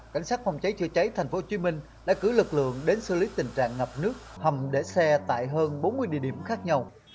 cảnh sát phòng cháy chữa cháy thành phố chí minh đã cử lực lượng đến xử lý tình trạng ngập nước hầm để xe tại hơn bốn mươi địa điểm khác nhau